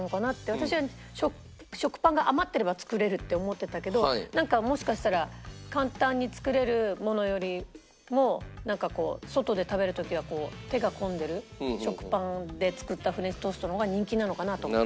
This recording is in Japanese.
私は食パンが余ってれば作れるって思ってたけどなんかもしかしたら簡単に作れるものよりも外で食べる時は手が込んでる食パンで作ったフレンチトーストの方が人気なのかなと思って。